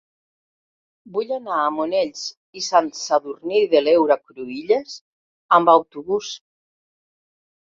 Vull anar a Monells i Sant Sadurní de l'Heura Cruïlles amb autobús.